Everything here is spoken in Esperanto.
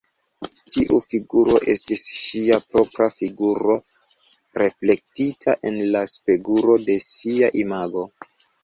Tiu figuro estis ŝia propra figuro, reflektita en la spegulo de ŝia imago.